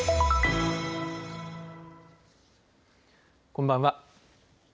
こんばんは。